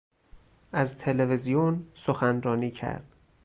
از تلویزیون سخنرانی کرد.